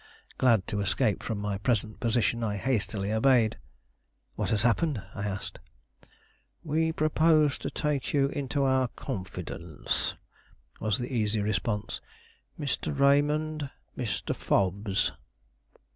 Glad to escape from my present position, I hastily obeyed. "What has happened?" I asked. "We propose to take you into our confidence," was the easy response. "Mr. Raymond, Mr. Fobbs."